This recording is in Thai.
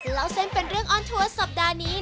เล่าเส้นเป็นเรื่องออนทัวร์สัปดาห์นี้